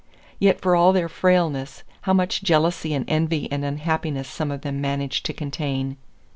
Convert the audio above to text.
Yet for all their frailness, how much jealousy and envy and unhappiness some of them managed to contain!